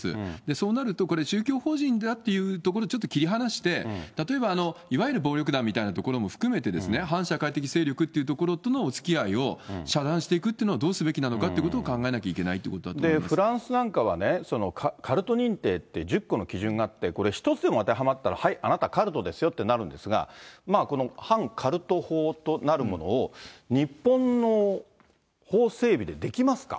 そうなると、これ、宗教法人だってところとちょっと切り離して、例えば、いわゆる暴力団みたいなところも含めて、反社会的勢力っていうところのおつきあいを遮断していくっていうのをどうすべきなのかってことを考えなきゃいけないってことだとフランスなんかはね、カルト認定って１０個の基準があって、これ、一つでも当てはまったら、はい、あなた、カルトですよってなるんですが、この反カルト法となるものを、日本の法整備でできますか。